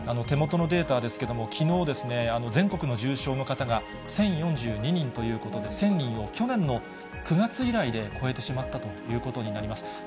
手元のデータですけれども、きのう、全国の重症の方が１０４２人ということで、１０００人を、去年の９月以来で超えてしまったということになります。